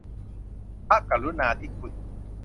พระกรุณาธิคุณ